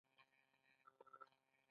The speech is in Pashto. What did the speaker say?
دریم د ټرانسپورټ یا حمل او نقل انجنیری ده.